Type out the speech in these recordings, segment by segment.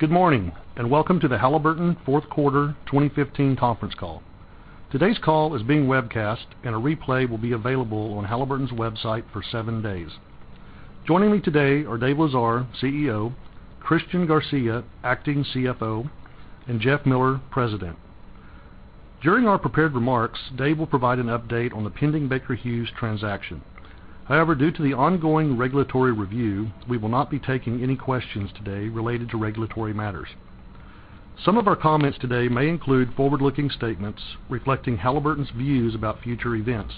Good morning, welcome to the Halliburton fourth quarter 2015 conference call. Today's call is being webcast, a replay will be available on Halliburton's website for 7 days. Joining me today are Dave Lesar, CEO, Christian Garcia, Acting CFO, and Jeff Miller, President. During our prepared remarks, Dave will provide an update on the pending Baker Hughes transaction. Due to the ongoing regulatory review, we will not be taking any questions today related to regulatory matters. Some of our comments today may include forward-looking statements reflecting Halliburton's views about future events.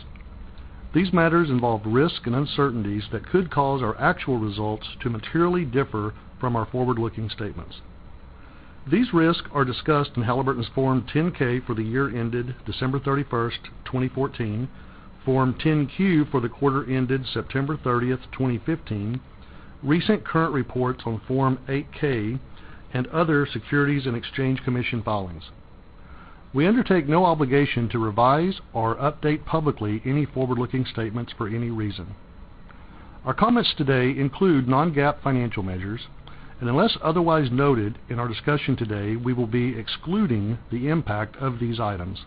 These matters involve risks and uncertainties that could cause our actual results to materially differ from our forward-looking statements. These risks are discussed in Halliburton's Form 10-K for the year ended December 31st, 2014, Form 10-Q for the quarter ended September 30th, 2015, recent current reports on Form 8-K and other Securities and Exchange Commission filings. We undertake no obligation to revise or update publicly any forward-looking statements for any reason. Our comments today include non-GAAP financial measures, unless otherwise noted in our discussion today, we will be excluding the impact of these items.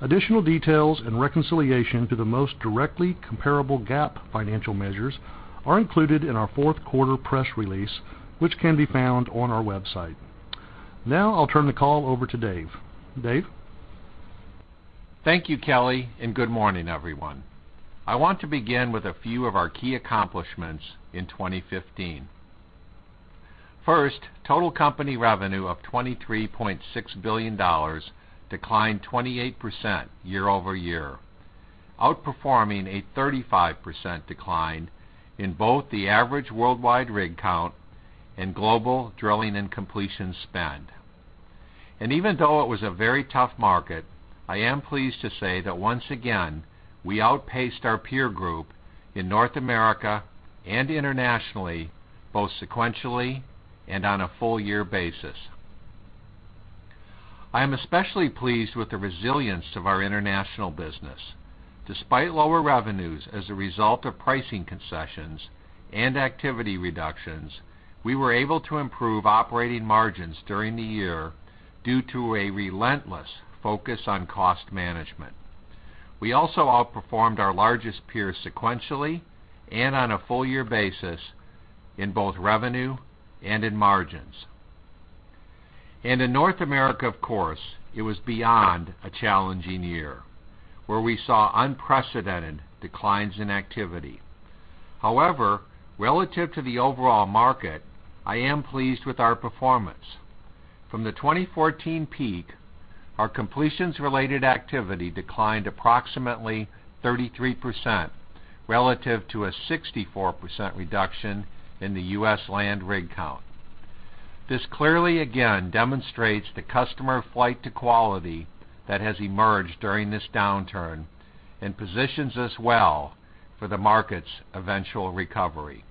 Additional details and reconciliation to the most directly comparable GAAP financial measures are included in our fourth quarter press release, which can be found on our website. I'll turn the call over to Dave. Dave? Thank you, Kelly, good morning, everyone. I want to begin with a few of our key accomplishments in 2015. First, total company revenue of $23.6 billion declined 28% year-over-year, outperforming a 35% decline in both the average worldwide rig count and global drilling and completion spend. Even though it was a very tough market, I am pleased to say that once again, we outpaced our peer group in North America and internationally, both sequentially and on a full-year basis. I am especially pleased with the resilience of our international business. Despite lower revenues as a result of pricing concessions and activity reductions, we were able to improve operating margins during the year due to a relentless focus on cost management. We also outperformed our largest peers sequentially and on a full-year basis in both revenue and in margins. In North America, of course, it was beyond a challenging year, where we saw unprecedented declines in activity. Relative to the overall market, I am pleased with our performance. From the 2014 peak, our completions-related activity declined approximately 33% relative to a 64% reduction in the U.S. land rig count. This clearly again demonstrates the customer flight to quality that has emerged during this downturn and positions us well for the market's eventual recovery.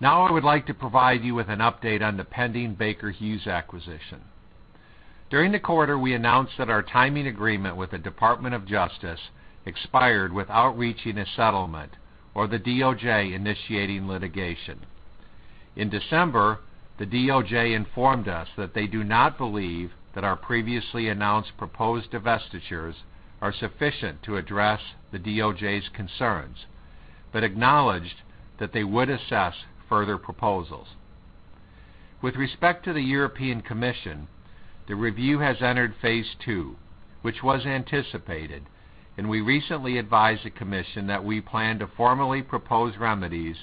I would like to provide you with an update on the pending Baker Hughes acquisition. During the quarter, we announced that our timing agreement with the Department of Justice expired without reaching a settlement or the DOJ initiating litigation. In December, the DOJ informed us that they do not believe that our previously announced proposed divestitures are sufficient to address the DOJ's concerns, acknowledged that they would assess further proposals. With respect to the European Commission, the review has entered phase 2, which was anticipated, and we recently advised the Commission that we plan to formally propose remedies,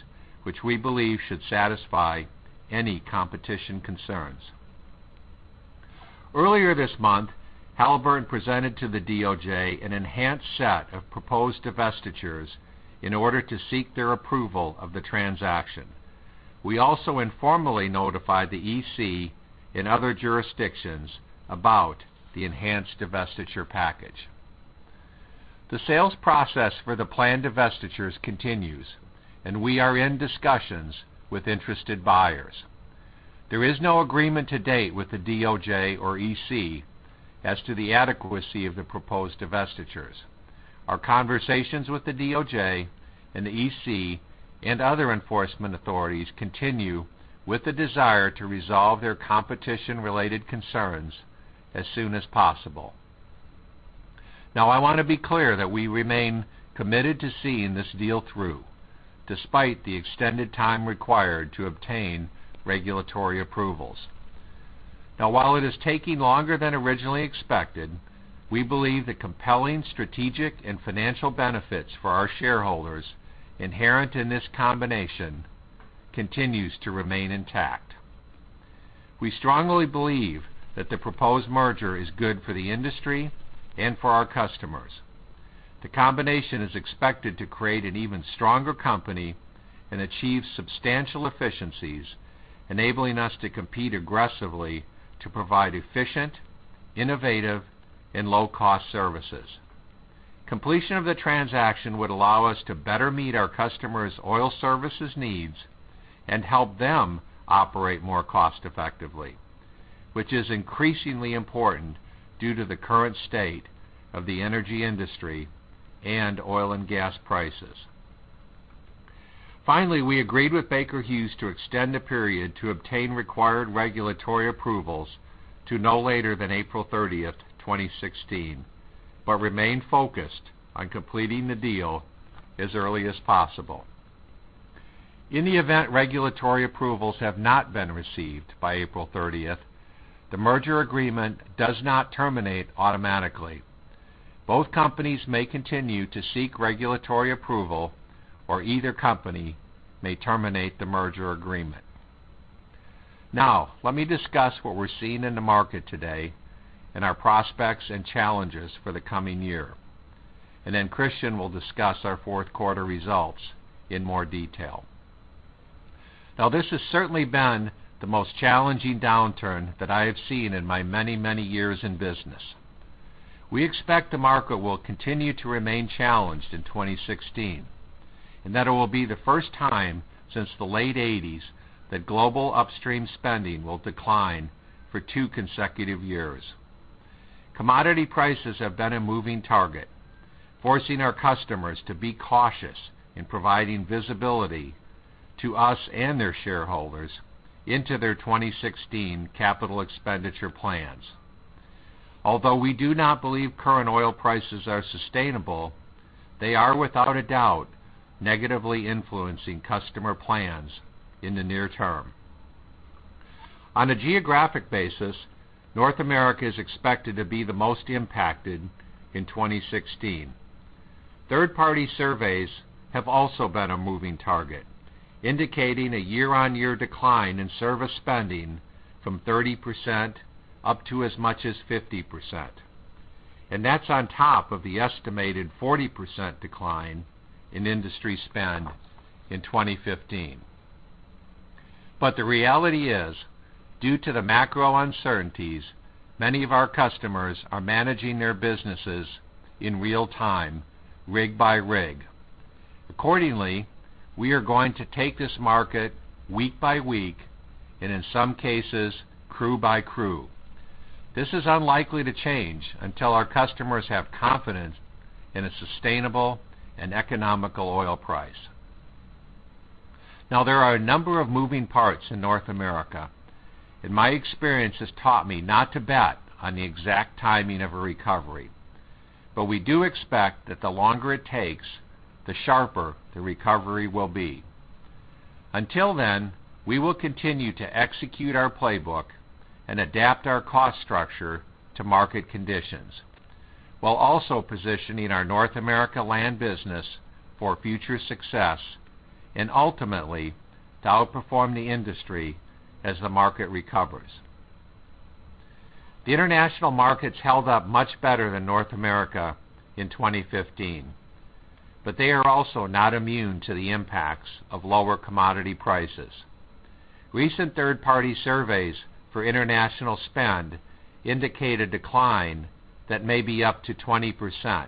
which we believe should satisfy any competition concerns. Earlier this month, Halliburton presented to the DOJ an enhanced set of proposed divestitures in order to seek their approval of the transaction. We also informally notified the EC and other jurisdictions about the enhanced divestiture package. The sales process for the planned divestitures continues, and we are in discussions with interested buyers. There is no agreement to date with the DOJ or EC as to the adequacy of the proposed divestitures. Our conversations with the DOJ and the EC and other enforcement authorities continue with the desire to resolve their competition-related concerns as soon as possible. I want to be clear that we remain committed to seeing this deal through, despite the extended time required to obtain regulatory approvals. While it is taking longer than originally expected, we believe the compelling strategic and financial benefits for our shareholders inherent in this combination continues to remain intact. We strongly believe that the proposed merger is good for the industry and for our customers. The combination is expected to create an even stronger company and achieve substantial efficiencies, enabling us to compete aggressively to provide efficient, innovative, and low-cost services. Completion of the transaction would allow us to better meet our customers' oil services needs and help them operate more cost-effectively, which is increasingly important due to the current state of the energy industry and oil and gas prices. Finally, we agreed with Baker Hughes to extend the period to obtain required regulatory approvals to no later than April 30th, 2016, but remain focused on completing the deal as early as possible. In the event regulatory approvals have not been received by April 30th, the merger agreement does not terminate automatically. Both companies may continue to seek regulatory approval, or either company may terminate the merger agreement. Let me discuss what we're seeing in the market today and our prospects and challenges for the coming year, and then Christian will discuss our fourth quarter results in more detail. This has certainly been the most challenging downturn that I have seen in my many, many years in business. We expect the market will continue to remain challenged in 2016 and that it will be the first time since the late '80s that global upstream spending will decline for two consecutive years. Commodity prices have been a moving target, forcing our customers to be cautious in providing visibility to us and their shareholders into their 2016 capital expenditure plans. Although we do not believe current oil prices are sustainable, they are without a doubt negatively influencing customer plans in the near term. On a geographic basis, North America is expected to be the most impacted in 2016. Third-party surveys have also been a moving target, indicating a year-on-year decline in service spending from 30% up to as much as 50%, and that's on top of the estimated 40% decline in industry spend in 2015. The reality is, due to the macro uncertainties, many of our customers are managing their businesses in real time, rig by rig. Accordingly, we are going to take this market week by week and in some cases, crew by crew. This is unlikely to change until our customers have confidence in a sustainable and economical oil price. There are a number of moving parts in North America, my experience has taught me not to bet on the exact timing of a recovery. We do expect that the longer it takes, the sharper the recovery will be. Until then, we will continue to execute our playbook and adapt our cost structure to market conditions, while also positioning our North America land business for future success and ultimately to outperform the industry as the market recovers. The international markets held up much better than North America in 2015, they are also not immune to the impacts of lower commodity prices. Recent third-party surveys for international spend indicate a decline that may be up to 20%,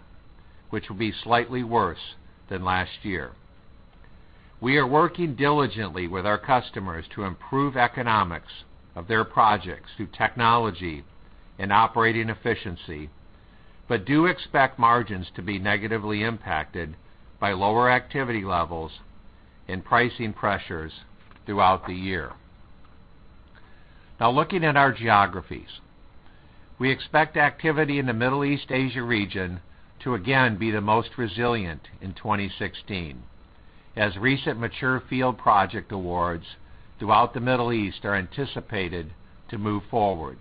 which will be slightly worse than last year. We are working diligently with our customers to improve economics of their projects through technology and operating efficiency, do expect margins to be negatively impacted by lower activity levels and pricing pressures throughout the year. Looking at our geographies, we expect activity in the Middle East/Asia region to again be the most resilient in 2016 as recent mature field project awards throughout the Middle East are anticipated to move forward.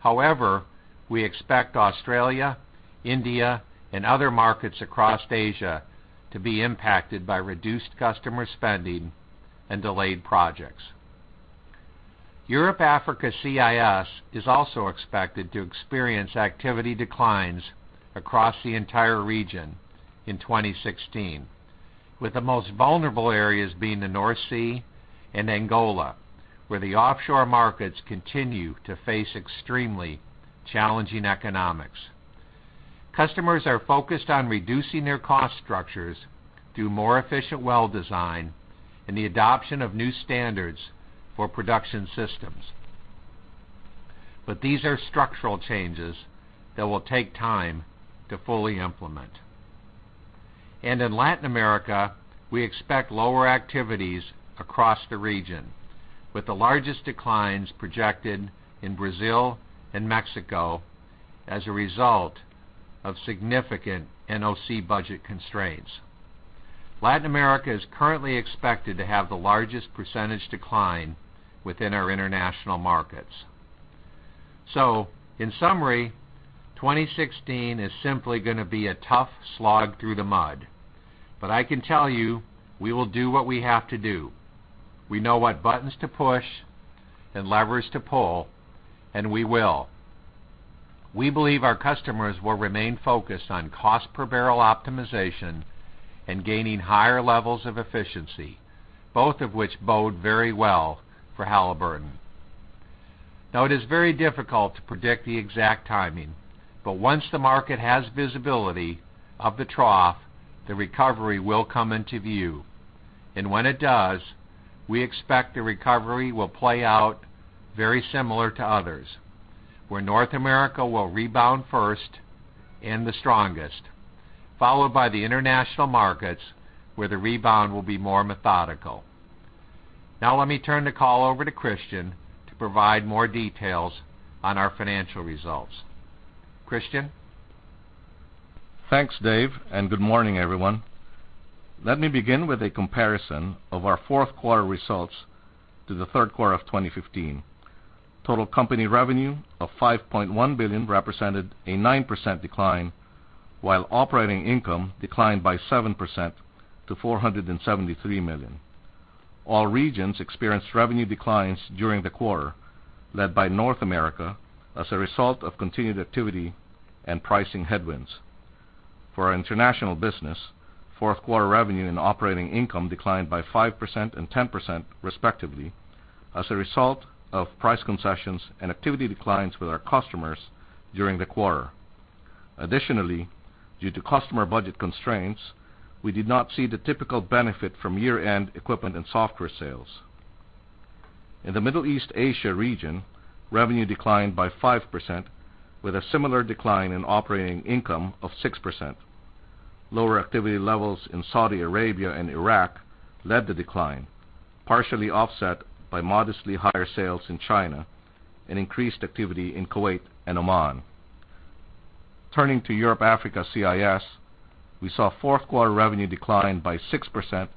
However, we expect Australia, India, and other markets across Asia to be impacted by reduced customer spending and delayed projects. Europe, Africa, CIS is also expected to experience activity declines across the entire region in 2016, with the most vulnerable areas being the North Sea and Angola, where the offshore markets continue to face extremely challenging economics. Customers are focused on reducing their cost structures through more efficient well design and the adoption of new standards for production systems. These are structural changes that will take time to fully implement. In Latin America, we expect lower activities across the region, with the largest declines projected in Brazil and Mexico as a result of significant NOC budget constraints. Latin America is currently expected to have the largest percentage decline within our international markets. In summary, 2016 is simply gonna be a tough slog through the mud. I can tell you we will do what we have to do. We know what buttons to push and levers to pull, we will. We believe our customers will remain focused on cost-per-barrel optimization and gaining higher levels of efficiency, both of which bode very well for Halliburton. It is very difficult to predict the exact timing, once the market has visibility of the trough, the recovery will come into view. When it does, we expect the recovery will play out very similar to others, where North America will rebound first and the strongest, followed by the international markets, where the rebound will be more methodical. Let me turn the call over to Christian to provide more details on our financial results. Christian? Thanks, Dave, Good morning, everyone. Let me begin with a comparison of our fourth quarter results to the third quarter of 2015. Total company revenue of $5.1 billion represented a 9% decline, while operating income declined by 7% to $473 million. All regions experienced revenue declines during the quarter, led by North America as a result of continued activity and pricing headwinds. For our international business, fourth quarter revenue and operating income declined by 5% and 10%, respectively, as a result of price concessions and activity declines with our customers during the quarter. Additionally, due to customer budget constraints, we did not see the typical benefit from year-end equipment and software sales. In the Middle East/Asia region, revenue declined by 5%, with a similar decline in operating income of 6%. Lower activity levels in Saudi Arabia and Iraq led the decline, partially offset by modestly higher sales in China and increased activity in Kuwait and Oman. Turning to Europe, Africa, CIS, we saw fourth quarter revenue decline by 6%,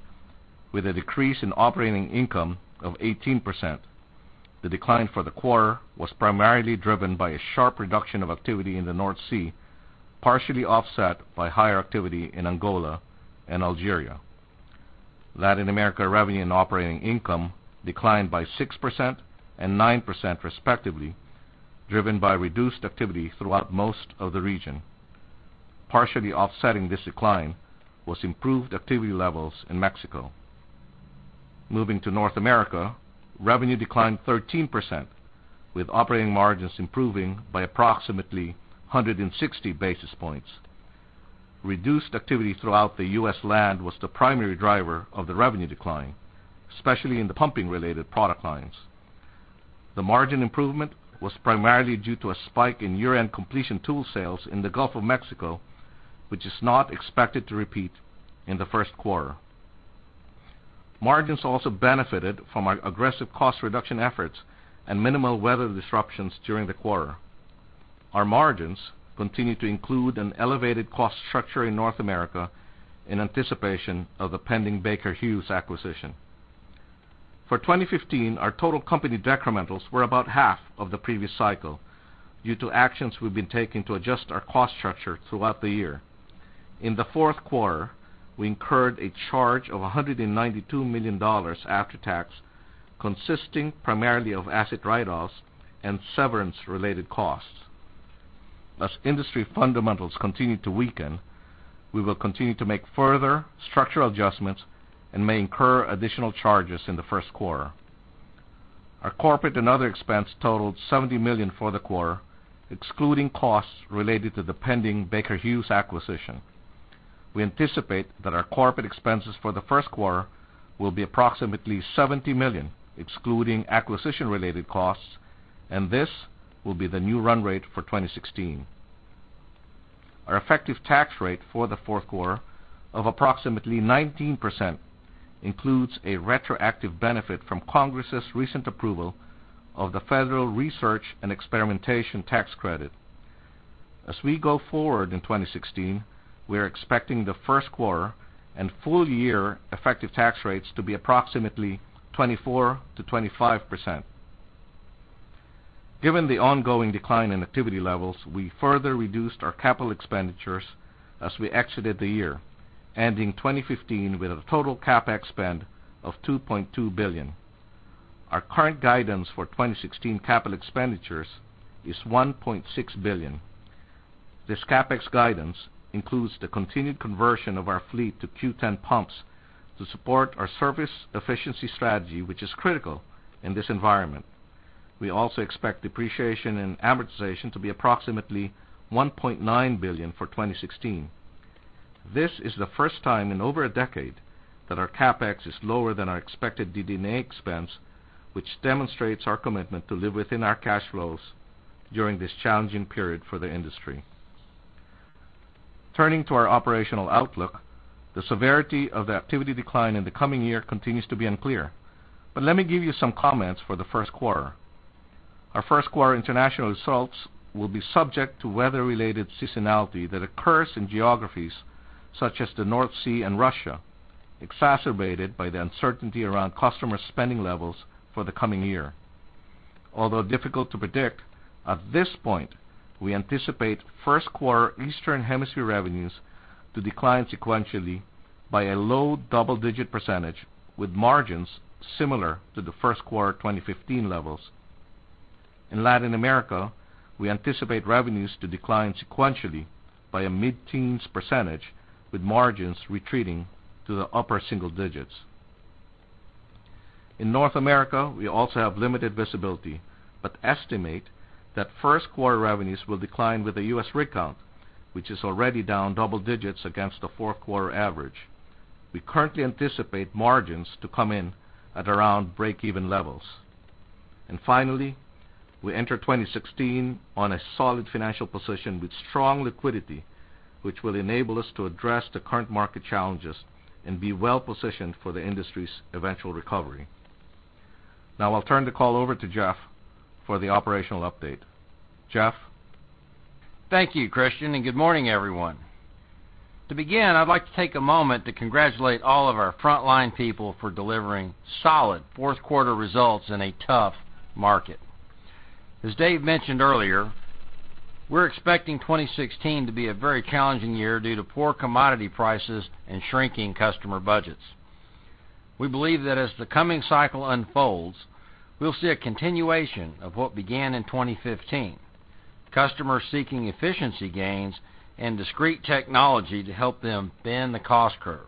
with a decrease in operating income of 18%. The decline for the quarter was primarily driven by a sharp reduction of activity in the North Sea, partially offset by higher activity in Angola and Algeria. Latin America revenue and operating income declined by 6% and 9%, respectively, driven by reduced activity throughout most of the region. Partially offsetting this decline was improved activity levels in Mexico. Moving to North America, revenue declined 13%, with operating margins improving by approximately 160 basis points. Reduced activity throughout the U.S. land was the primary driver of the revenue decline, especially in the pumping-related product lines. The margin improvement was primarily due to a spike in year-end completion tool sales in the Gulf of Mexico, which is not expected to repeat in the first quarter. Margins also benefited from our aggressive cost reduction efforts and minimal weather disruptions during the quarter. Our margins continue to include an elevated cost structure in North America in anticipation of the pending Baker Hughes acquisition. For 2015, our total company decrementals were about half of the previous cycle due to actions we've been taking to adjust our cost structure throughout the year. In the fourth quarter, we incurred a charge of $192 million after tax, consisting primarily of asset write-offs and severance-related costs. As industry fundamentals continue to weaken, we will continue to make further structural adjustments and may incur additional charges in the first quarter. Our corporate and other expense totaled $70 million for the quarter, excluding costs related to the pending Baker Hughes acquisition. We anticipate that our corporate expenses for the first quarter will be approximately $70 million, excluding acquisition-related costs, and this will be the new run rate for 2016. Our effective tax rate for the fourth quarter of approximately 19% includes a retroactive benefit from Congress' recent approval of the Federal Research and Experimentation Tax Credit. As we go forward in 2016, we are expecting the first quarter and full year effective tax rates to be approximately 24%-25%. Given the ongoing decline in activity levels, we further reduced our capital expenditures as we exited the year, ending 2015 with a total CapEx spend of $2.2 billion. Our current guidance for 2016 capital expenditures is $1.6 billion. This CapEx guidance includes the continued conversion of our fleet to Q10 pump to support our service efficiency strategy, which is critical in this environment. We also expect depreciation and amortization to be approximately $1.9 billion for 2016. This is the first time in over a decade that our CapEx is lower than our expected DD&A expense, which demonstrates our commitment to live within our cash flows during this challenging period for the industry. Turning to our operational outlook, the severity of the activity decline in the coming year continues to be unclear, but let me give you some comments for the first quarter. Our first quarter international results will be subject to weather-related seasonality that occurs in geographies such as the North Sea and Russia, exacerbated by the uncertainty around customer spending levels for the coming year. Although difficult to predict, at this point, we anticipate first quarter Eastern Hemisphere revenues to decline sequentially by a low double-digit %, with margins similar to the first quarter 2015 levels. In Latin America, we anticipate revenues to decline sequentially by a mid-teens %, with margins retreating to the upper single digits. In North America, we also have limited visibility, but estimate that first quarter revenues will decline with the U.S. rig count, which is already down double digits against the fourth quarter average. We currently anticipate margins to come in at around break-even levels. Finally, we enter 2016 on a solid financial position with strong liquidity, which will enable us to address the current market challenges and be well-positioned for the industry's eventual recovery. I'll turn the call over to Jeff for the operational update. Jeff? Thank you, Christian, and good morning, everyone. To begin, I'd like to take a moment to congratulate all of our frontline people for delivering solid fourth quarter results in a tough market. As Dave mentioned earlier, we're expecting 2016 to be a very challenging year due to poor commodity prices and shrinking customer budgets. We believe that as the coming cycle unfolds, we'll see a continuation of what began in 2015, customers seeking efficiency gains and discrete technology to help them bend the cost curve.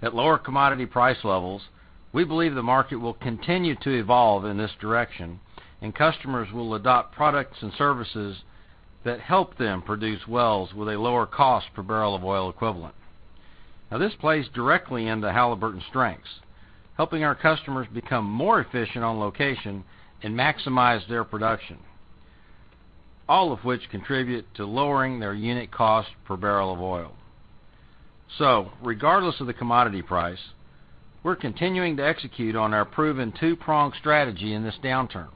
At lower commodity price levels, we believe the market will continue to evolve in this direction and customers will adopt products and services that help them produce wells with a lower cost per barrel of oil equivalent. This plays directly into Halliburton's strengths, helping our customers become more efficient on location and maximize their production. All of which contribute to lowering their unit cost per barrel of oil. Regardless of the commodity price, we're continuing to execute on our proven two-pronged strategy in this downturn.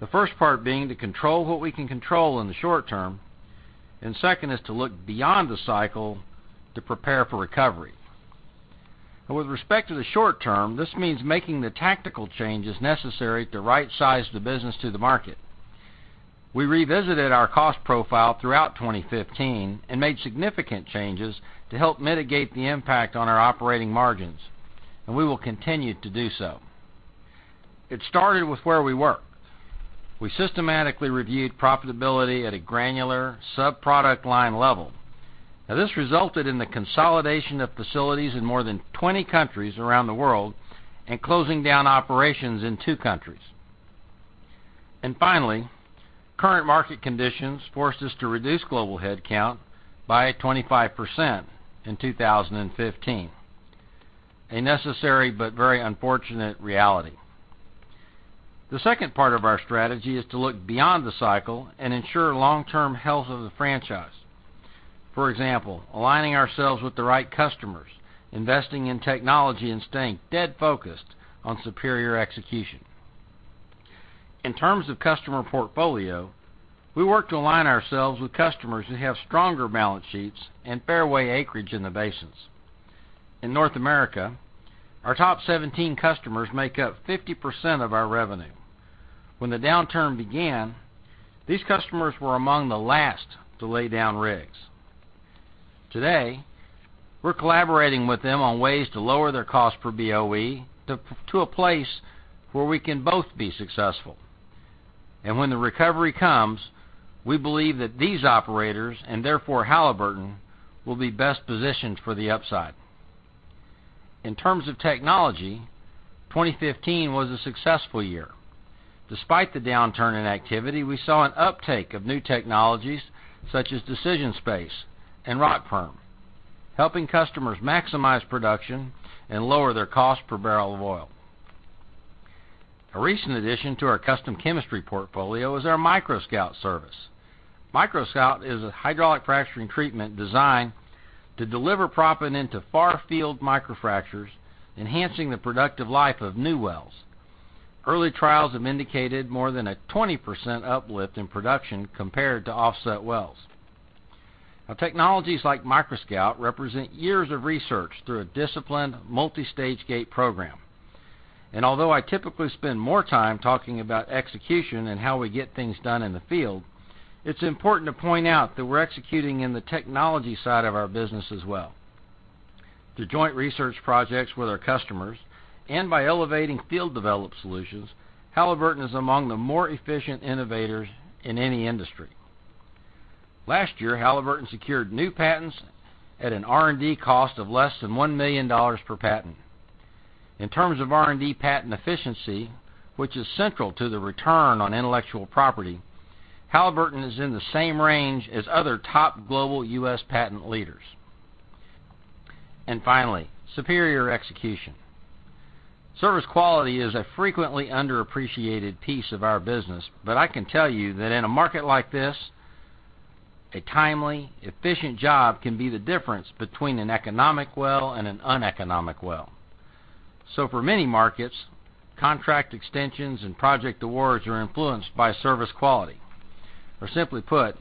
The first part being to control what we can control in the short term, and second is to look beyond the cycle to prepare for recovery. With respect to the short term, this means making the tactical changes necessary to rightsize the business to the market. We revisited our cost profile throughout 2015 and made significant changes to help mitigate the impact on our operating margins, and we will continue to do so. It started with where we work. We systematically reviewed profitability at a granular sub-product line level. This resulted in the consolidation of facilities in more than 20 countries around the world and closing down operations in two countries. Finally, current market conditions forced us to reduce global headcount by 25% in 2015, a necessary but very unfortunate reality. The second part of our strategy is to look beyond the cycle and ensure long-term health of the franchise. For example, aligning ourselves with the right customers, investing in technology, and staying dead focused on superior execution. In terms of customer portfolio, we work to align ourselves with customers who have stronger balance sheets and fairway acreage in the basins. In North America, our top 17 customers make up 50% of our revenue. When the downturn began, these customers were among the last to lay down rigs. Today, we're collaborating with them on ways to lower their cost per BOE to a place where we can both be successful. When the recovery comes, we believe that these operators, and therefore Halliburton, will be best positioned for the upside. In terms of technology, 2015 was a successful year. Despite the downturn in activity, we saw an uptake of new technologies such as DecisionSpace and RockPerm, helping customers maximize production and lower their cost per barrel of oil. A recent addition to our custom chemistry portfolio is our MicroScout service. MicroScout is a hydraulic fracturing treatment designed to deliver proppant into far-field microfractures, enhancing the productive life of new wells. Early trials have indicated more than a 20% uplift in production compared to offset wells. Technologies like MicroScout represent years of research through a disciplined multi-stage gate program. Although I typically spend more time talking about execution and how we get things done in the field, it's important to point out that we're executing in the technology side of our business as well. Through joint research projects with our customers and by elevating field developed solutions, Halliburton is among the more efficient innovators in any industry. Last year, Halliburton secured new patents at an R&D cost of less than $1 million per patent. In terms of R&D patent efficiency, which is central to the return on intellectual property, Halliburton is in the same range as other top global U.S. patent leaders. Finally, superior execution. Service quality is a frequently underappreciated piece of our business, but I can tell you that in a market like this, a timely, efficient job can be the difference between an economic well and an uneconomic well. For many markets, contract extensions and project awards are influenced by service quality, or simply put,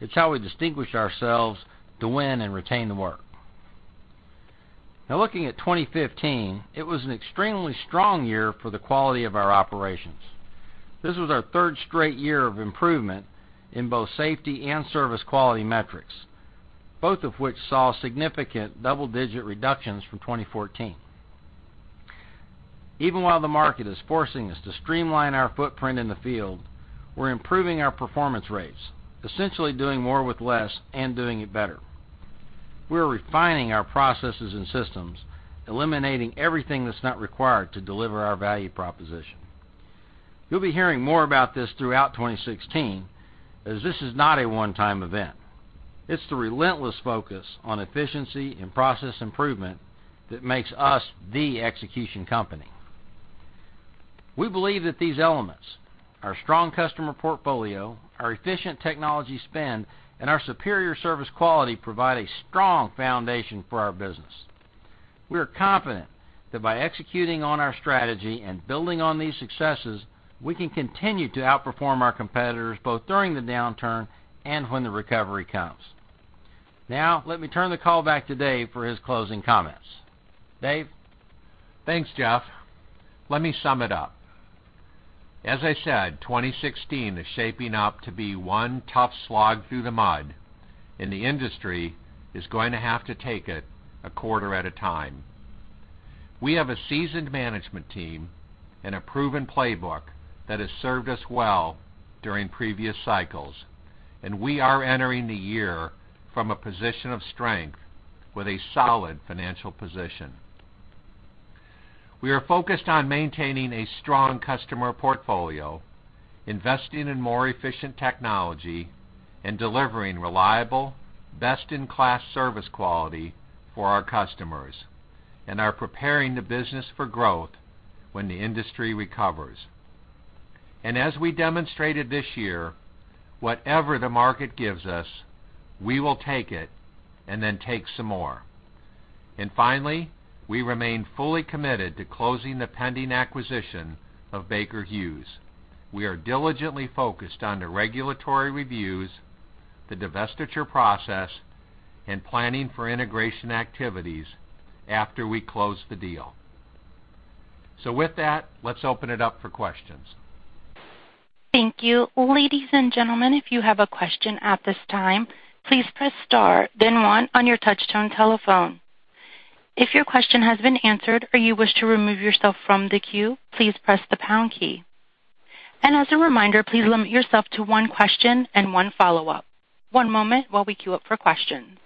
it's how we distinguish ourselves to win and retain the work. Looking at 2015, it was an extremely strong year for the quality of our operations. This was our third straight year of improvement in both safety and service quality metrics, both of which saw significant double-digit reductions from 2014. Even while the market is forcing us to streamline our footprint in the field, we're improving our performance rates, essentially doing more with less and doing it better. We are refining our processes and systems, eliminating everything that's not required to deliver our value proposition. You'll be hearing more about this throughout 2016, as this is not a one-time event. It's the relentless focus on efficiency and process improvement that makes us the execution company. We believe that these elements, our strong customer portfolio, our efficient technology spend, and our superior service quality, provide a strong foundation for our business. We are confident that by executing on our strategy and building on these successes, we can continue to outperform our competitors, both during the downturn and when the recovery comes. Now, let me turn the call back to Dave for his closing comments. Dave. Thanks, Jeff. Let me sum it up. As I said, 2016 is shaping up to be one tough slog through the mud, and the industry is going to have to take it a quarter at a time. We have a seasoned management team and a proven playbook that has served us well during previous cycles, and we are entering the year from a position of strength with a solid financial position. We are focused on maintaining a strong customer portfolio, investing in more efficient technology and delivering reliable, best-in-class service quality for our customers, and are preparing the business for growth when the industry recovers. As we demonstrated this year, whatever the market gives us, we will take it and then take some more. Finally, we remain fully committed to closing the pending acquisition of Baker Hughes. We are diligently focused on the regulatory reviews, the divestiture process, and planning for integration activities after we close the deal. With that, let's open it up for questions. Thank you. Ladies and gentlemen, if you have a question at this time, please press star then one on your touch-tone telephone. If your question has been answered or you wish to remove yourself from the queue, please press the pound key. As a reminder, please limit yourself to one question and one follow-up. One moment while we queue up for questions.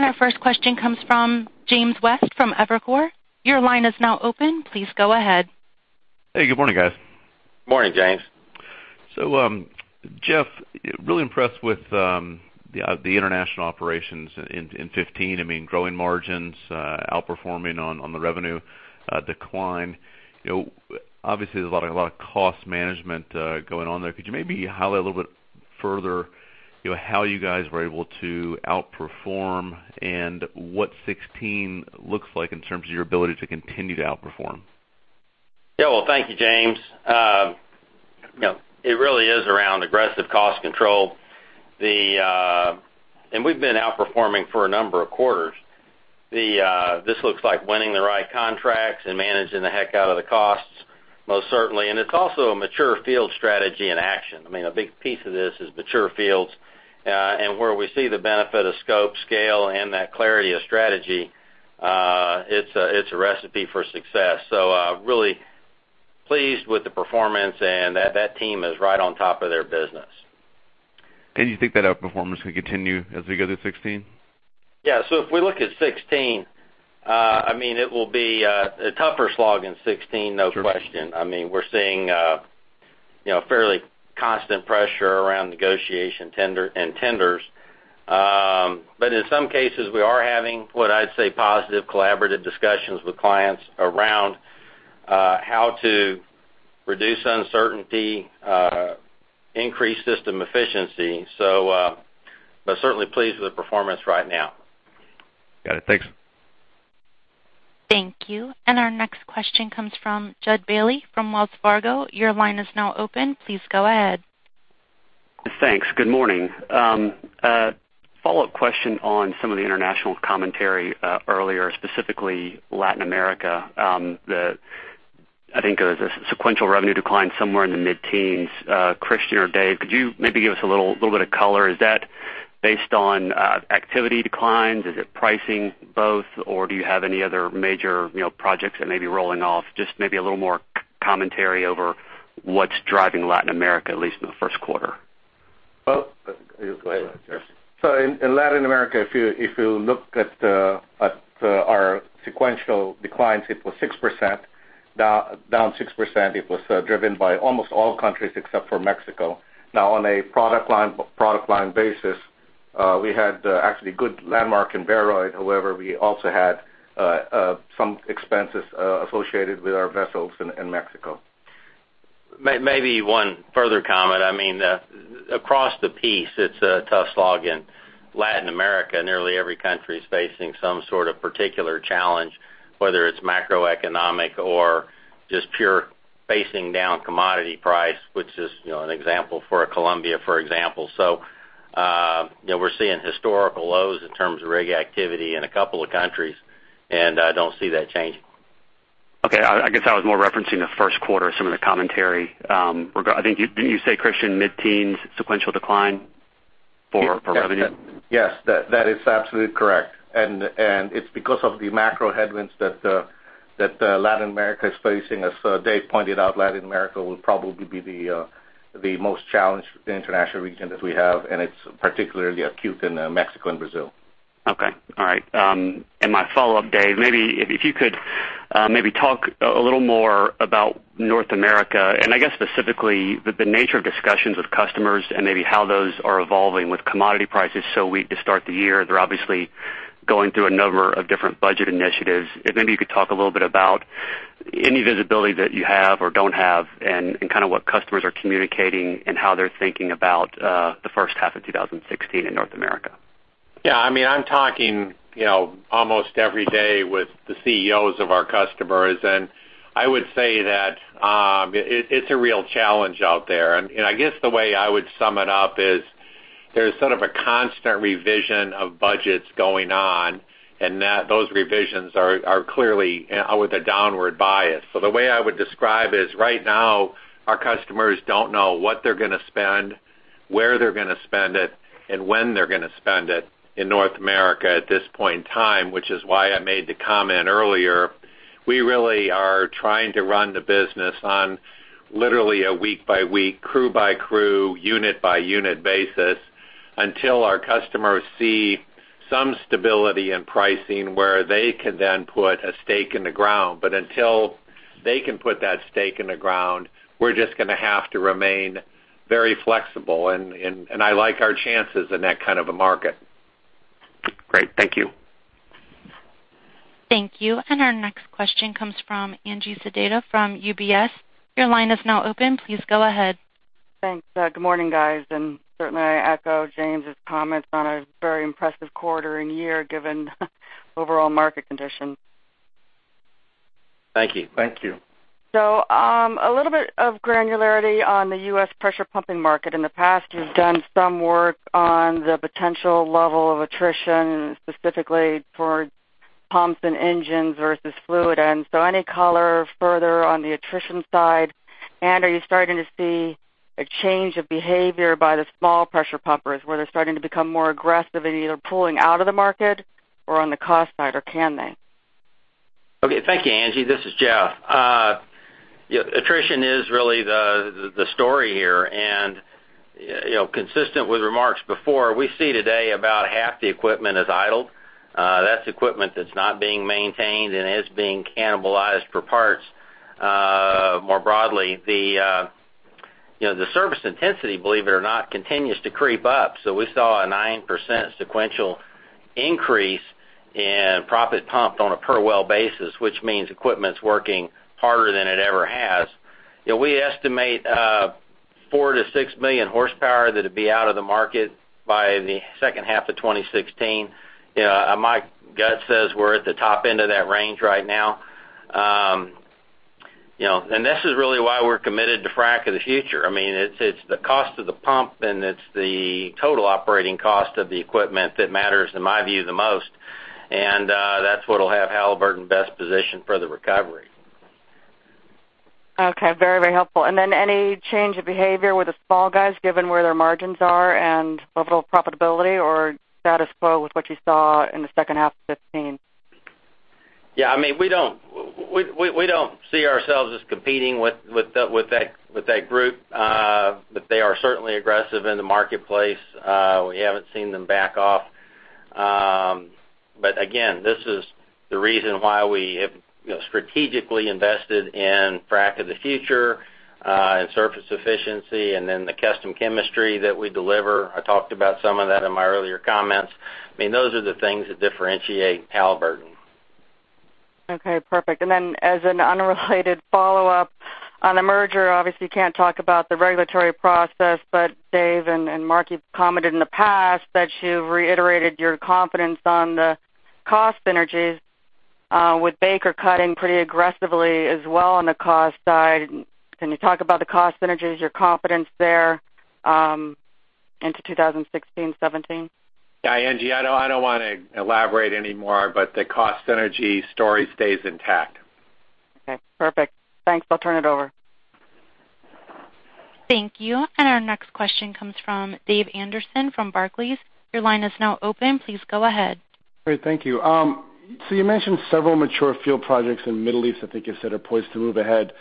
Our first question comes from James West from Evercore. Your line is now open. Please go ahead. Hey, good morning, guys. Morning, James. Jeff, really impressed with the international operations in 2015. Growing margins, outperforming on the revenue decline. Obviously, there's a lot of cost management going on there. Could you maybe highlight a little bit further how you guys were able to outperform and what 2016 looks like in terms of your ability to continue to outperform? Yeah. Well, thank you, James. It really is around aggressive cost control. We've been outperforming for a number of quarters. This looks like winning the right contracts and managing the heck out of the costs, most certainly. It's also a mature field strategy in action. A big piece of this is mature fields, and where we see the benefit of scope, scale and that clarity of strategy, it's a recipe for success. Really pleased with the performance, and that team is right on top of their business. You think that outperformance could continue as we go through 2016? Yeah. If we look at 2016, it will be a tougher slog in 2016, no question. Sure. We're seeing fairly constant pressure around negotiation and tenders. In some cases, we are having, what I'd say, positive collaborative discussions with clients around how to reduce uncertainty, increase system efficiency. Certainly pleased with the performance right now. Got it. Thanks. Thank you. Our next question comes from Jud Bailey from Wells Fargo. Your line is now open. Please go ahead. Thanks. Good morning. Follow-up question on some of the international commentary earlier, specifically Latin America. I think there was a sequential revenue decline somewhere in the mid-teens. Christian or Dave, could you maybe give us a little bit of color? Is that based on activity declines? Is it pricing, both, or do you have any other major projects that may be rolling off? Just maybe a little more commentary over what's driving Latin America, at least in the first quarter. Go ahead, Christian. In Latin America, if you look at our sequential declines, it was 6%, down 6%. It was driven by almost all countries except for Mexico. On a product line basis, we had actually good Landmark in Baroid. However, we also had some expenses associated with our vessels in Mexico. Maybe one further comment. Across the piece, it's a tough slog in Latin America. Nearly every country is facing some sort of particular challenge, whether it's macroeconomic or just pure facing down commodity price, which is an example for Colombia, for example. We're seeing historical lows in terms of rig activity in a couple of countries, and I don't see that changing. Okay. I guess I was more referencing the first quarter, some of the commentary. Didn't you say, Christian, mid-teens sequential decline for revenue? Yes. That is absolutely correct. It's because of the macro headwinds that Latin America is facing. As Dave pointed out, Latin America will probably be the most challenged international region that we have, and it's particularly acute in Mexico and Brazil. Okay. All right. My follow-up, Dave, maybe if you could maybe talk a little more about North America and I guess specifically the nature of discussions with customers and maybe how those are evolving with commodity prices so weak to start the year. They're obviously going through a number of different budget initiatives. If maybe you could talk a little bit about any visibility that you have or don't have and kind of what customers are communicating and how they're thinking about the first half of 2016 in North America. Yeah, I'm talking almost every day with the CEOs of our customers, I would say that it's a real challenge out there. I guess the way I would sum it up is there's sort of a constant revision of budgets going on, and those revisions are clearly with a downward bias. The way I would describe is right now, our customers don't know what they're going to spend, where they're going to spend it, and when they're going to spend it in North America at this point in time, which is why I made the comment earlier. We really are trying to run the business on literally a week by week, crew by crew, unit by unit basis until our customers see some stability in pricing where they can then put a stake in the ground. Until they can put that stake in the ground, we're just going to have to remain very flexible, and I like our chances in that kind of a market. Great. Thank you. Thank you. Our next question comes from Angie Sedita from UBS. Your line is now open. Please go ahead. Thanks. Good morning, guys. Certainly I echo James' comments on a very impressive quarter and year given overall market conditions. Thank you. Thank you. A little bit of granularity on the U.S. pressure pumping market. In the past, you've done some work on the potential level of attrition, specifically for pumps and engines versus fluid end. Any color further on the attrition side? Are you starting to see a change of behavior by the small pressure pumpers, where they're starting to become more aggressive in either pulling out of the market or on the cost side, or can they? Okay. Thank you, Angie. This is Jeff. Attrition is really the story here. Consistent with remarks before, we see today about half the equipment is idled. That's equipment that's not being maintained and is being cannibalized for parts. More broadly, the service intensity, believe it or not, continues to creep up. We saw a 9% sequential increase in proppant pumped on a per well basis, which means equipment's working harder than it ever has. We estimate four to six million horsepower that'll be out of the market by the second half of 2016. My gut says we're at the top end of that range right now. This is really why we're committed to Frac of the Future. It's the cost of the pump and it's the total operating cost of the equipment that matters, in my view, the most, and that's what'll have Halliburton best positioned for the recovery. Okay. Very helpful. Then any change of behavior with the small guys, given where their margins are and overall profitability, or status quo with what you saw in the second half of 2015? Yeah, we don't see ourselves as competing with that group, they are certainly aggressive in the marketplace. We haven't seen them back off. Again, this is the reason why we have strategically invested in Frac of the Future, and surface efficiency, and then the custom chemistry that we deliver. I talked about some of that in my earlier comments. Those are the things that differentiate Halliburton. Okay, perfect. Then as an unrelated follow-up on a merger, obviously, you can't talk about the regulatory process, but Dave and Mark, you've commented in the past that you've reiterated your confidence on the cost synergies, with Baker cutting pretty aggressively as well on the cost side. Can you talk about the cost synergies, your confidence there into 2016, 2017? Yeah, Angie, I don't want to elaborate anymore, but the cost synergy story stays intact. Okay, perfect. Thanks. I'll turn it over. Thank you. Our next question comes from David Anderson from Barclays. Your line is now open. Please go ahead. Great. Thank you. You mentioned several mature field projects in the Middle East I think you said are poised to move ahead.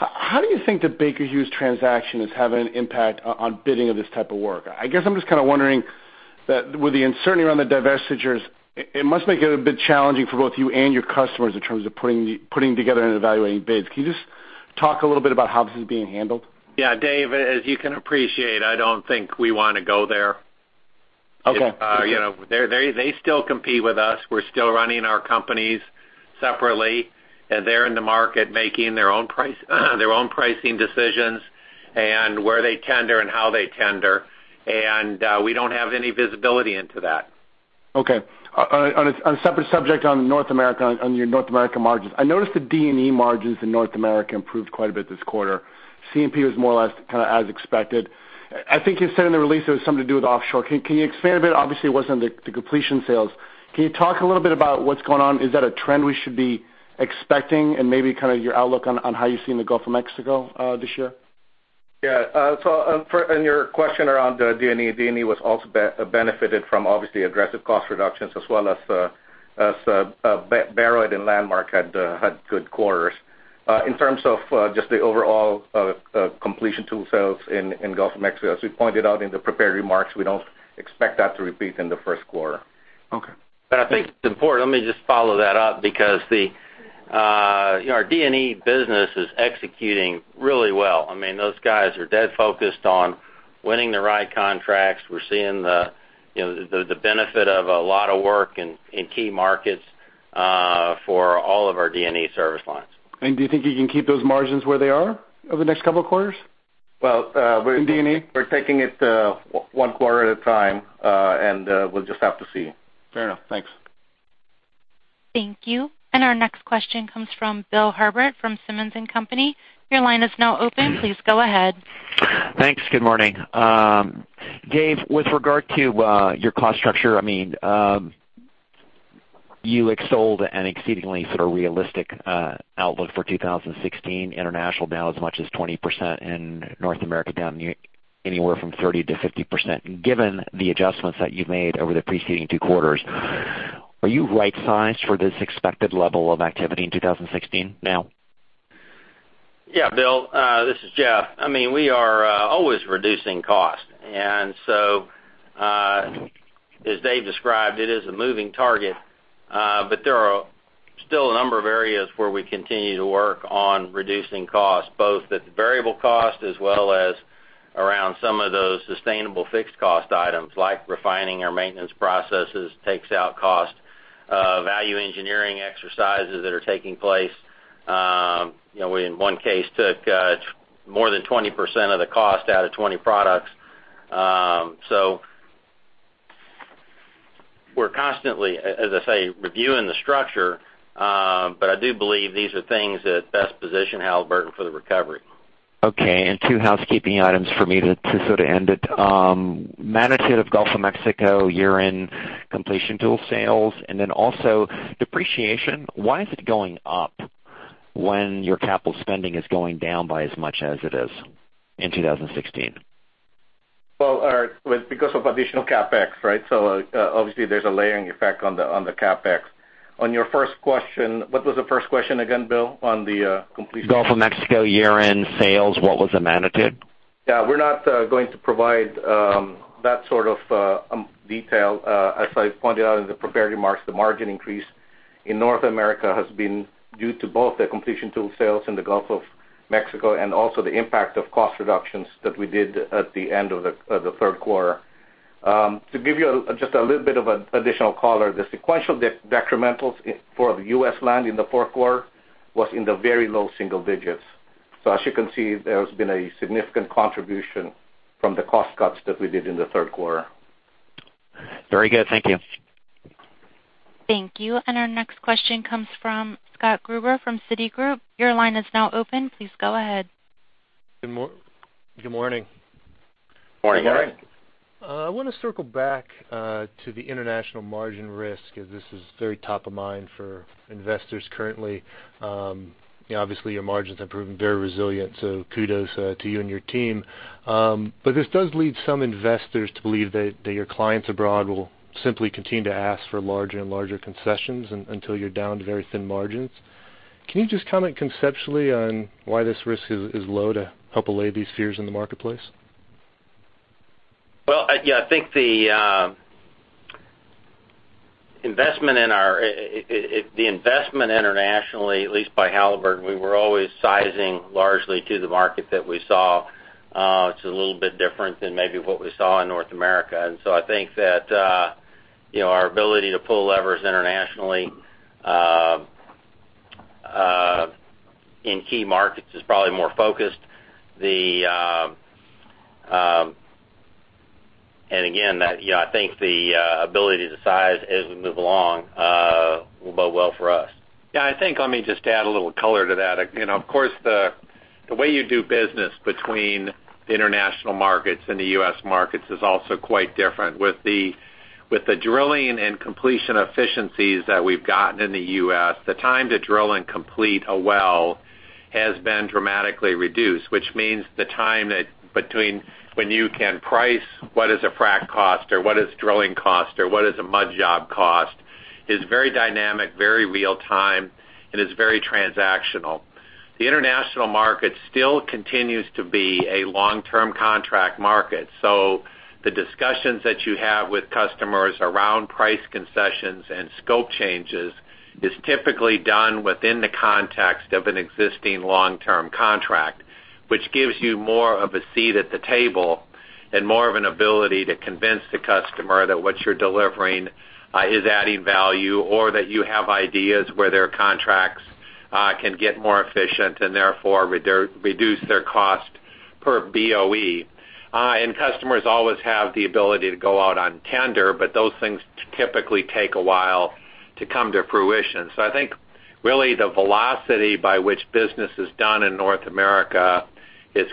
How do you think the Baker Hughes transaction is having an impact on bidding of this type of work? I guess I'm just kind of wondering that with the uncertainty around the divestitures, it must make it a bit challenging for both you and your customers in terms of putting together and evaluating bids. Can you just talk a little bit about how this is being handled? Yeah, Dave, as you can appreciate, I don't think we want to go there. Okay. They still compete with us. We're still running our companies separately, and they're in the market making their own pricing decisions and where they tender and how they tender, and we don't have any visibility into that. Okay. On a separate subject on North America, on your North America margins, I noticed the D&E margins in North America improved quite a bit this quarter. C&P was more or less kind of as expected. I think you said in the release it was something to do with offshore. Can you expand a bit? Obviously, it wasn't the completion sales. Can you talk a little bit about what's going on? Is that a trend we should be expecting and maybe kind of your outlook on how you see in the Gulf of Mexico this year? On your question around the D&E, D&E was also benefited from obviously aggressive cost reductions as well as Baroid and Landmark had good quarters. In terms of just the overall completion tool sales in Gulf of Mexico, as we pointed out in the prepared remarks, we don't expect that to repeat in the first quarter. Okay. I think it's important. Let me just follow that up because our D&E business is executing really well. Those guys are dead focused on winning the right contracts. We're seeing the benefit of a lot of work in key markets for all of our D&E service lines. Do you think you can keep those margins where they are over the next couple of quarters? Well- In D&E? We're taking it one quarter at a time, and we'll just have to see. Fair enough. Thanks. Thank you. Our next question comes from Bill Herbert from Simmons & Company. Your line is now open. Please go ahead. Thanks. Good morning. Dave, with regard to your cost structure, you extolled an exceedingly realistic outlook for 2016, international down as much as 20% and North America down anywhere from 30%-50%. Given the adjustments that you've made over the preceding two quarters, are you right-sized for this expected level of activity in 2016 now? Bill, this is Jeff. We are always reducing cost. As Dave described, it is a moving target. There are still a number of areas where we continue to work on reducing costs, both at the variable cost, as well as around some of those sustainable fixed cost items like refining our maintenance processes takes out cost, value engineering exercises that are taking place. We, in one case, took more than 20% of the cost out of 20 products. We're constantly, as I say, reviewing the structure, but I do believe these are things that best position Halliburton for the recovery. Okay, two housekeeping items for me to end it. Magnitude of Gulf of Mexico year-end completion tool sales, also depreciation. Why is it going up when your capital spending is going down by as much as it is in 2016? Well, because of additional CapEx, right? Obviously there's a layering effect on the CapEx. On your first question, what was the first question again, Bill, on the completion? Gulf of Mexico year-end sales, what was the magnitude? Yeah, we're not going to provide that sort of detail. As I pointed out in the prepared remarks, the margin increase in North America has been due to both the completion tool sales in the Gulf of Mexico and also the impact of cost reductions that we did at the end of the third quarter. To give you just a little bit of an additional color, the sequential decrementals for the U.S. land in the fourth quarter was in the very low single digits. As you can see, there's been a significant contribution from the cost cuts that we did in the third quarter. Very good. Thank you. Thank you. Our next question comes from Scott Gruber from Citigroup. Your line is now open. Please go ahead. Good morning. Morning. Morning. I want to circle back to the international margin risk, as this is very top of mind for investors currently. Obviously, your margins have proven very resilient, so kudos to you and your team. This does lead some investors to believe that your clients abroad will simply continue to ask for larger and larger concessions until you're down to very thin margins. Can you just comment conceptually on why this risk is low to help allay these fears in the marketplace? Well, yeah, I think the investment internationally, at least by Halliburton, we were always sizing largely to the market that we saw. It's a little bit different than maybe what we saw in North America. I think that our ability to pull levers internationally in key markets is probably more focused. Again, I think the ability to size as we move along will bode well for us. Yeah, I think let me just add a little color to that. Of course, the way you do business between the international markets and the U.S. markets is also quite different. With the drilling and completion efficiencies that we've gotten in the U.S., the time to drill and complete a well has been dramatically reduced, which means the time between when you can price what is a frac cost or what is drilling cost or what is a mud job cost is very dynamic, very real time, and is very transactional. The international market still continues to be a long-term contract market. The discussions that you have with customers around price concessions and scope changes is typically done within the context of an existing long-term contract, which gives you more of a seat at the table and more of an ability to convince the customer that what you're delivering is adding value, or that you have ideas where their contracts can get more efficient and therefore reduce their cost per BOE. Customers always have the ability to go out on tender, but those things typically take a while to come to fruition. I think really the velocity by which business is done in North America is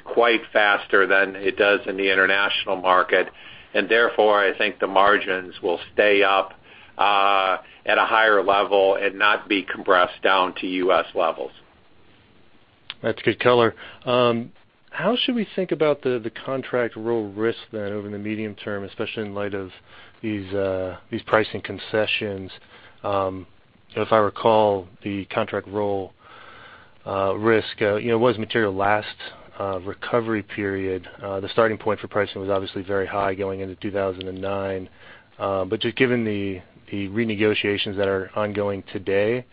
quite faster than it does in the international market, and therefore, I think the margins will stay up at a higher level and not be compressed down to U.S. levels. That's good color. How should we think about the contract roll risk then over in the medium term, especially in light of these pricing concessions? If I recall, the contract roll risk was material last recovery period. The starting point for pricing was obviously very high going into 2009. Just given the renegotiations that are ongoing today,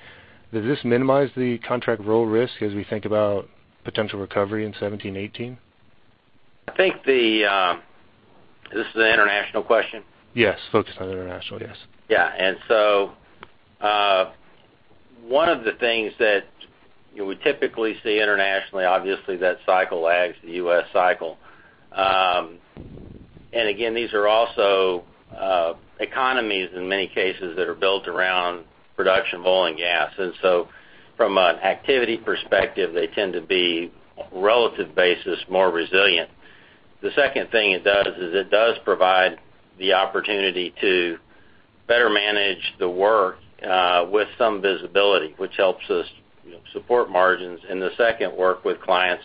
does this minimize the contract roll risk as we think about potential recovery in 2017, 2018? Is this the international question? Yes. Focused on international, yes. Yeah. One of the things that we typically see internationally, obviously, that cycle lags the U.S. cycle. Again, these are also economies in many cases that are built around production of oil and gas. From an activity perspective, they tend to be relative basis more resilient. The second thing it does is it does provide the opportunity to better manage the work, with some visibility, which helps us support margins and the second work with clients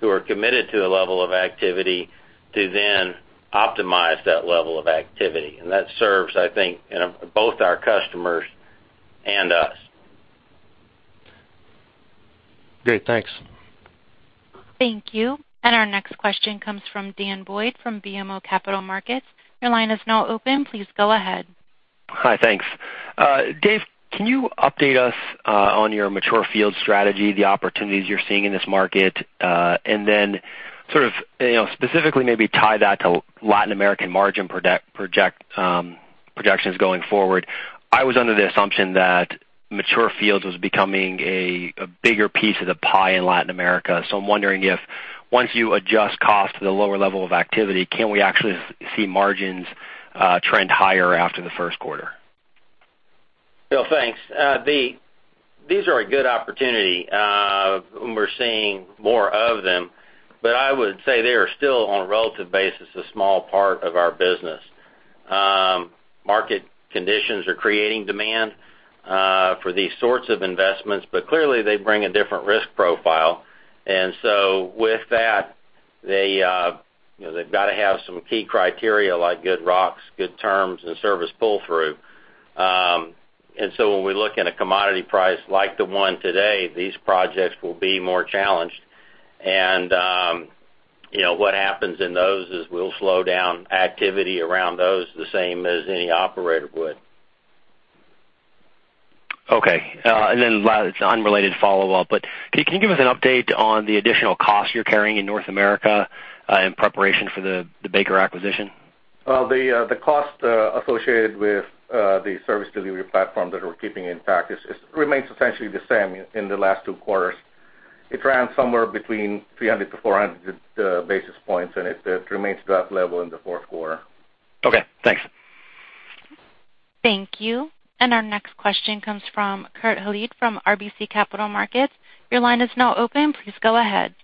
who are committed to a level of activity to then optimize that level of activity. That serves, I think, both our customers and us. Great. Thanks. Thank you. Our next question comes from Daniel Boyd from BMO Capital Markets. Your line is now open. Please go ahead. Hi, thanks. Dave, can you update us on your mature field strategy, the opportunities you're seeing in this market, then specifically maybe tie that to Latin American margin projections going forward? I was under the assumption that mature fields was becoming a bigger piece of the pie in Latin America. I'm wondering if once you adjust cost to the lower level of activity, can we actually see margins trend higher after the first quarter? Bill, thanks. These are a good opportunity. We're seeing more of them, but I would say they are still on a relative basis, a small part of our business. Market conditions are creating demand for these sorts of investments, but clearly they bring a different risk profile. With that, they've got to have some key criteria like good rocks, good terms, and service pull-through. When we look at a commodity price like the one today, these projects will be more challenged. What happens in those is we'll slow down activity around those the same as any operator would. Okay. Last unrelated follow-up. Can you give us an update on the additional cost you're carrying in North America in preparation for the Baker acquisition? Well, the cost associated with the service delivery platform that we're keeping intact remains essentially the same in the last 2 quarters. It ran somewhere between 300-400 basis points, and it remains at that level in the fourth quarter. Okay, thanks. Thank you. Our next question comes from Kurt Hallead from RBC Capital Markets. Your line is now open. Please go ahead.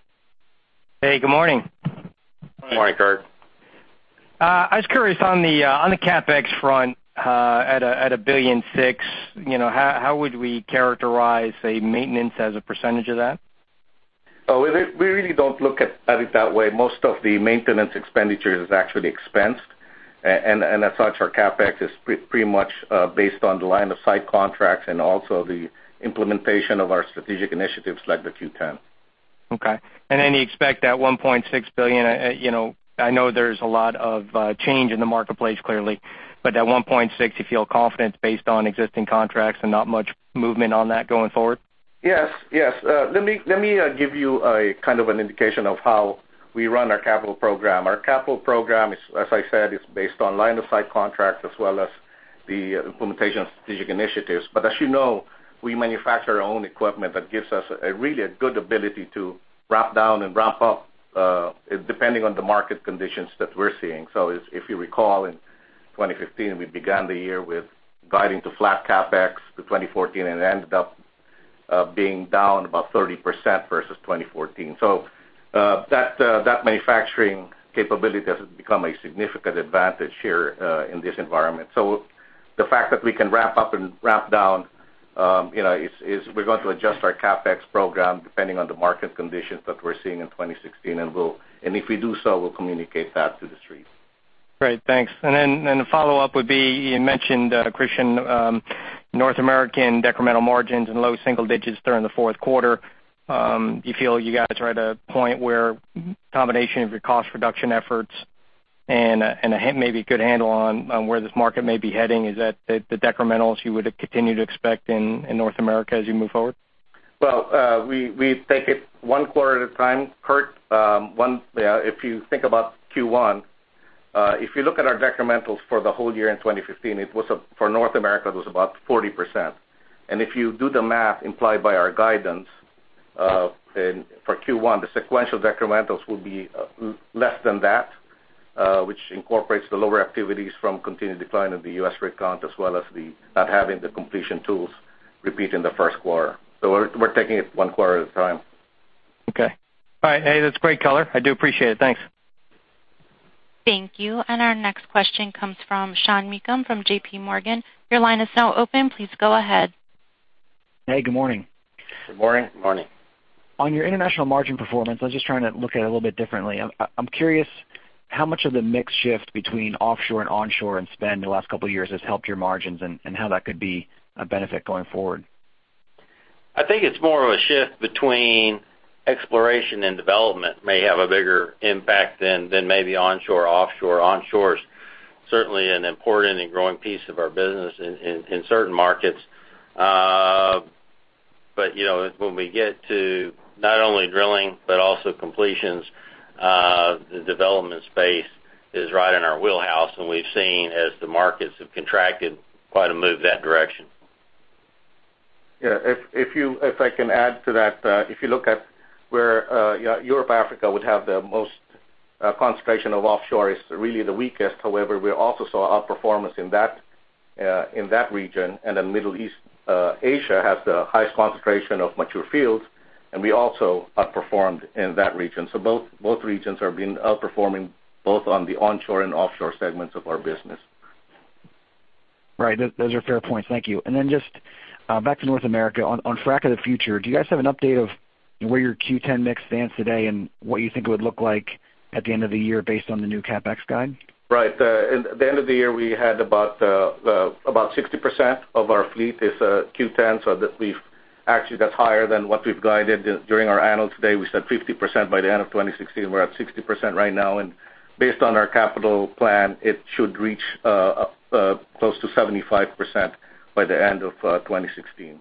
Hey, good morning. Good morning, Kurt. I was curious on the CapEx front, at $1.6 billion, how would we characterize a maintenance as a % of that? We really don't look at it that way. Most of the maintenance expenditure is actually expensed. As such, our CapEx is pretty much based on the line of sight contracts and also the implementation of our strategic initiatives like the Q10. Okay. Then you expect that $1.6 billion. I know there's a lot of change in the marketplace, clearly. That $1.6, you feel confident based on existing contracts and not much movement on that going forward? Yes. Let me give you an indication of how we run our capital program. Our capital program, as I said, is based on line of sight contracts as well as the implementation of strategic initiatives. As you know, we manufacture our own equipment that gives us really a good ability to ramp down and ramp up, depending on the market conditions that we're seeing. If you recall, in 2015, we began the year with guiding to flat CapEx to 2014 and it ended up being down about 30% versus 2014. That manufacturing capability has become a significant advantage here in this environment. The fact that we can ramp up and ramp down, we're going to adjust our CapEx program depending on the market conditions that we're seeing in 2016, and if we do so, we'll communicate that to the street. Great, thanks. The follow-up would be, you mentioned, Christian, North American decremental margins in low single digits during the fourth quarter. Do you feel you guys are at a point where combination of your cost reduction efforts and maybe a good handle on where this market may be heading, is that the decrementals you would continue to expect in North America as you move forward? Well, we take it one quarter at a time, Kurt. If you think about Q1, if you look at our decrementals for the whole year in 2015, for North America, it was about 40%. If you do the math implied by our guidance, for Q1, the sequential decrementals will be less than that, which incorporates the lower activities from continued decline of the U.S. rig count, as well as not having the completion tools repeat in the first quarter. We're taking it one quarter at a time. Okay. All right. Hey, that's great color. I do appreciate it. Thanks. Thank you. Our next question comes from Sean Meakim from JPMorgan. Your line is now open. Please go ahead. Hey, good morning. Good morning. Good morning. On your international margin performance, I was just trying to look at it a little bit differently. I'm curious how much of the mix shift between offshore and onshore in spend in the last couple of years has helped your margins and how that could be a benefit going forward. I think it's more of a shift between exploration and development may have a bigger impact than maybe onshore, offshore. Onshore's certainly an important and growing piece of our business in certain markets. When we get to not only drilling, but also completions, the development space is right in our wheelhouse, and we've seen, as the markets have contracted, quite a move that direction. Yeah. If I can add to that, if you look at where Europe, Africa would have the most concentration of offshore is really the weakest. However, we also saw outperformance in that region. Middle East, Asia has the highest concentration of mature fields, and we also outperformed in that region. Both regions have been outperforming both on the onshore and offshore segments of our business. Right. Those are fair points. Thank you. Just back to North America. On Frac of the Future, do you guys have an update of where your Q10 mix stands today and what you think it would look like at the end of the year based on the new CapEx guide? Right. At the end of the year, we had about 60% of our fleet is Q10. Actually that's higher than what we've guided during our annual today. We said 50% by the end of 2016. We're at 60% right now. Based on our capital plan, it should reach close to 75% by the end of 2016.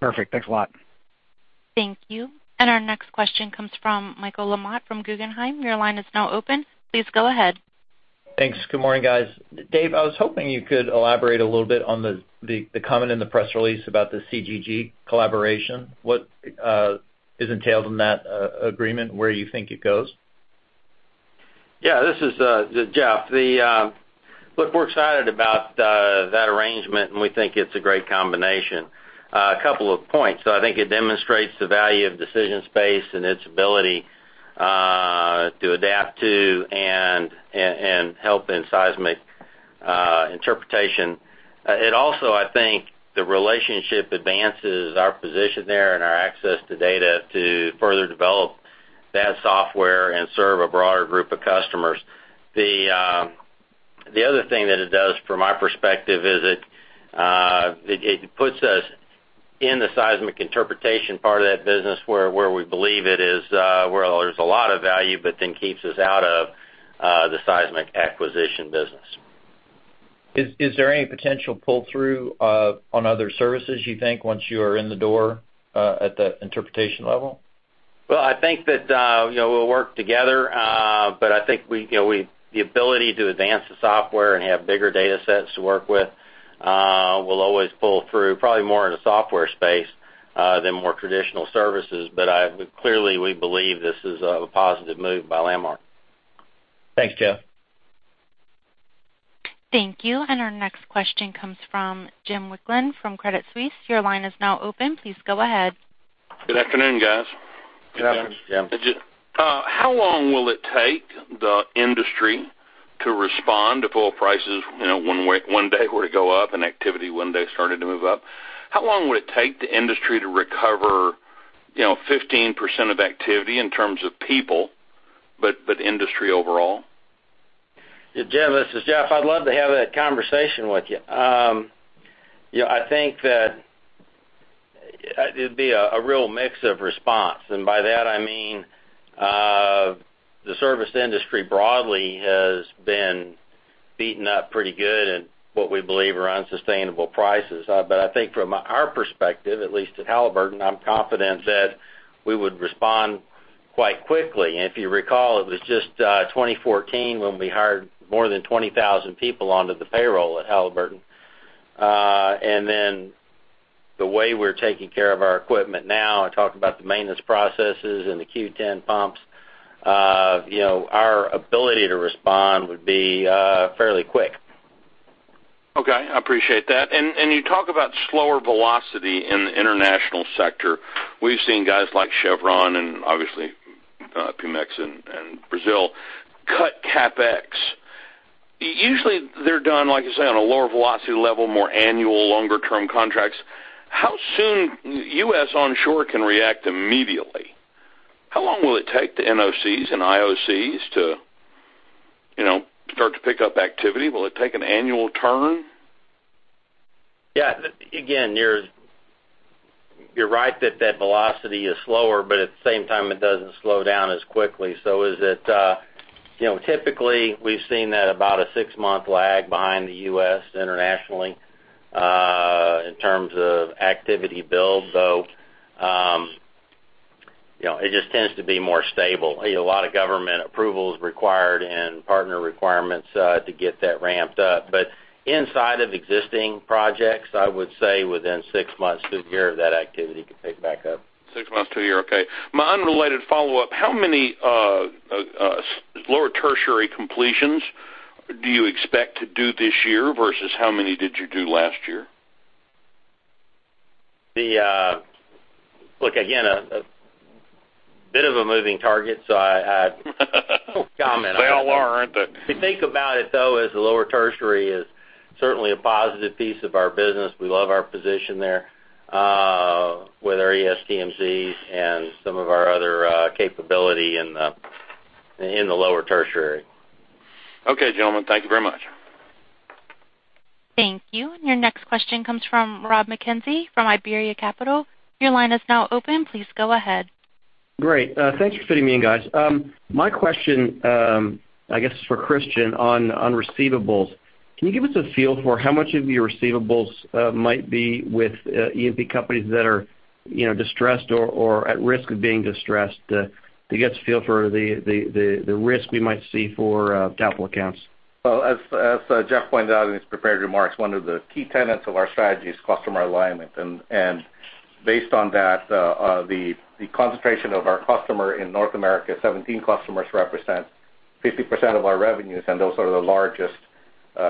Perfect. Thanks a lot. Thank you. Our next question comes from Michael LaMotte from Guggenheim. Your line is now open. Please go ahead. Thanks. Good morning, guys. Dave, I was hoping you could elaborate a little bit on the comment in the press release about the CGG collaboration. What is entailed in that agreement, where you think it goes? Yeah. This is Jeff. Look, we're excited about that arrangement, and we think it's a great combination. A couple of points. I think it demonstrates the value of DecisionSpace and its ability to adapt to and help in seismic interpretation. It also, I think, the relationship advances our position there and our access to data to further develop that software and serve a broader group of customers. The other thing that it does from my perspective is it puts us in the seismic interpretation part of that business where we believe there's a lot of value but then keeps us out of the seismic acquisition business. Is there any potential pull-through on other services, you think, once you are in the door at the interpretation level? Well, I think that we'll work together, but I think the ability to advance the software and have bigger data sets to work with will always pull through, probably more in a software space than more traditional services. Clearly, we believe this is a positive move by Landmark. Thanks, Jeff. Thank you. Our next question comes from Jim Wicklund from Credit Suisse. Your line is now open. Please go ahead. Good afternoon, guys. Good afternoon, Jim. How long will it take the industry to respond if oil prices one day were to go up and activity one day started to move up? How long would it take the industry to recover 15% of activity in terms of people, but industry overall? Jim, this is Jeff. I'd love to have that conversation with you. I think that it'd be a real mix of response, and by that I mean the service industry broadly has been beaten up pretty good at what we believe are unsustainable prices. I think from our perspective, at least at Halliburton, I'm confident, Jim, we would respond quite quickly. If you recall, it was just 2014 when we hired more than 20,000 people onto the payroll at Halliburton. The way we're taking care of our equipment now, I talked about the maintenance processes and the Q10 pump. Our ability to respond would be fairly quick. Okay. I appreciate that. You talk about slower velocity in the international sector. We've seen guys like Chevron and obviously Pemex and Brazil cut CapEx. Usually they're done, like you say, on a lower velocity level, more annual, longer term contracts. How soon U.S. onshore can react immediately? How long will it take the NOCs and IOCs to start to pick up activity? Will it take an annual turn? Again, you're right that that velocity is slower, at the same time it doesn't slow down as quickly. Typically, we've seen that about a six-month lag behind the U.S. internationally in terms of activity build, though it just tends to be more stable. A lot of government approvals required and partner requirements to get that ramped up. Inside of existing projects, I would say within six months to a year that activity could pick back up. Six months to a year. Okay. My unrelated follow-up, how many Lower Tertiary completions do you expect to do this year versus how many did you do last year? Look, again, a bit of a moving target, so I have no comment on that. They all are, aren't they? We think about it, though, as the Lower Tertiary is certainly a positive piece of our business. We love our position there with our ESPMCs and some of our other capability in the Lower Tertiary. Okay, gentlemen. Thank you very much. Thank you. Your next question comes from Rob MacKenzie from Iberia Capital. Your line is now open. Please go ahead. Great. Thanks for fitting me in, guys. My question, I guess, is for Christian on receivables. Can you give us a feel for how much of your receivables might be with E&P companies that are distressed or at risk of being distressed, to get a feel for the risk we might see for capital accounts? Well, as Jeff pointed out in his prepared remarks, one of the key tenets of our strategy is customer alignment. Based on that, the concentration of our customer in North America, 17 customers represent 50% of our revenues, and those are the largest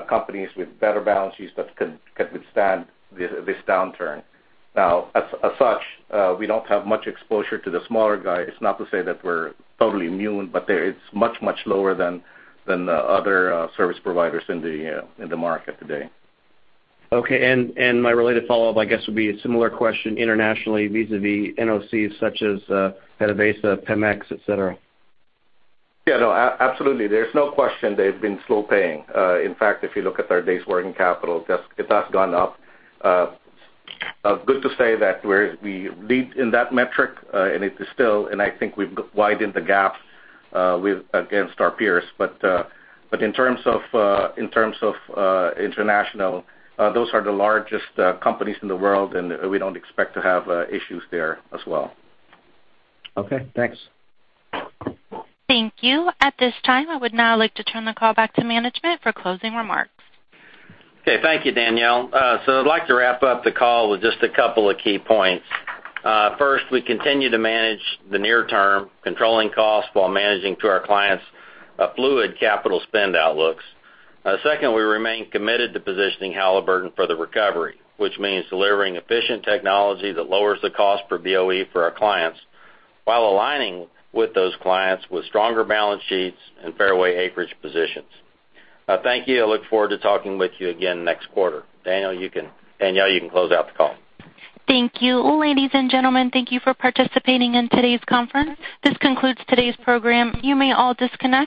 companies with better balance sheets that can withstand this downturn. As such, we don't have much exposure to the smaller guy. It's not to say that we're totally immune, but it's much, much lower than the other service providers in the market today. Okay. My related follow-up, I guess, would be a similar question internationally vis-a-vis NOCs such as PDVSA, Pemex, et cetera. Yeah, no. Absolutely. There's no question they've been slow-paying. In fact, if you look at our days' working capital, it has gone up. Good to say that we lead in that metric, it is still I think we've widened the gap against our peers. In terms of international, those are the largest companies in the world, and we don't expect to have issues there as well. Okay, thanks. Thank you. At this time, I would now like to turn the call back to management for closing remarks. Okay. Thank you, Danielle. I'd like to wrap up the call with just a couple of key points. First, we continue to manage the near term, controlling costs while managing to our clients' fluid capital spend outlooks. Second, we remain committed to positioning Halliburton for the recovery, which means delivering efficient technology that lowers the cost per BOE for our clients while aligning with those clients with stronger balance sheets and fairway acreage positions. Thank you. I look forward to talking with you again next quarter. Danielle, you can close out the call. Thank you. Ladies and gentlemen, thank you for participating in today's conference. This concludes today's program. You may all disconnect.